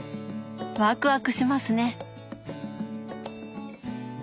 ワクワクしますね。